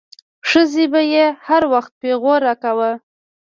ښځې به يې هر وخت پيغور راکاوه.